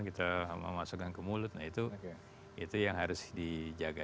kita memasukkan ke mulut nah itu yang harus dijaga